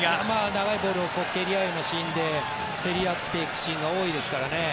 長いボールを蹴り合うようなシーンで競り合っていくシーンが多いですからね。